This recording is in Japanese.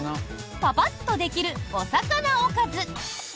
パパッとできるお魚おかず。